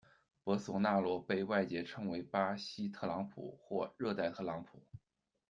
博索纳罗被外界称为「巴西特朗普」或「热带特朗普」。